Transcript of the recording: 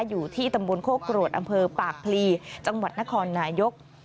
อยู่ที่ตำบลโคกรวดอำเภอปากพลีจังหวัดนครนายก